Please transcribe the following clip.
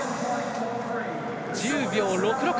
１０秒６６。